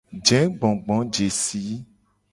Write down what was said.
Jegbogbojesi.